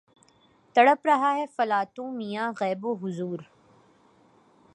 تڑپ رہا ہے فلاطوں میان غیب و حضور